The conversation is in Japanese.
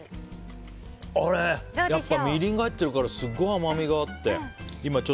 みりんが入っているからすごい甘みがあって。